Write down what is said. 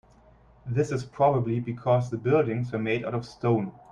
This is probably because the buildings were made out of stone.